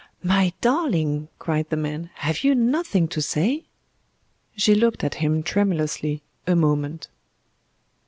"My darling," cried the man, "have you nothing to say?" She looked at him tremulously a moment.